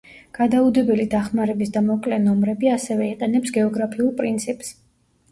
გადაუდებელი დახმარების და მოკლე ნომრები ასევე იყენებს გეოგრაფიულ პრინციპს.